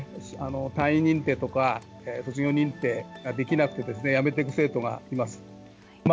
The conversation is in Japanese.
単位認定とか卒業認定ができなくてやめていく生徒がいます。